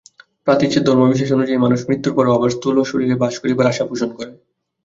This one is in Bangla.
প্রতীচ্যের ধর্মবিশ্বাস অনুযায়ী মানুষ মৃত্যুর পরও আবার স্থূল শরীরে বাস করিবার আশা পোষণ করে।